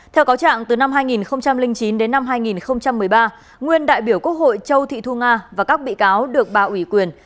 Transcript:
theo cáo trạng từ năm hai nghìn chín đến năm hai nghìn một mươi ba nguyên đại biểu quốc hội châu thị thu nga và các bị cáo được bà ủy quyền